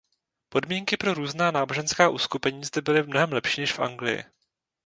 Podmínky pro různá náboženská uskupení zde byly mnohem lepší než v Anglii.